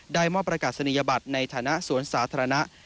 ได้มอบประกาศนียบัตรในฐานะสวนสาธารณะ